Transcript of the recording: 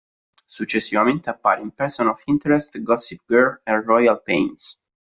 Successivamente appare in "Person of Interest", "Gossip Girl" e "Royal Pains".